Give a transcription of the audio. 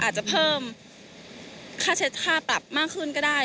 อาจจะเพิ่มค่าเช็ดค่าปรับมากขึ้นก็ได้